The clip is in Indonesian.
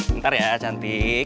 bentar ya cantik